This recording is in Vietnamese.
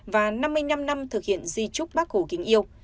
và năm mươi năm năm thực hiện di trúc bác hồ kính yêu